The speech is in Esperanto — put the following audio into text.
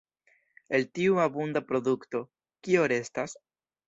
El tiu abunda produkto, kio restas?